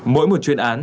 mỗi một chuyện án